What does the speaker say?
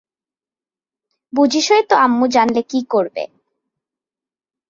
বুঝিসই তো আম্মু জানলে কি করবে।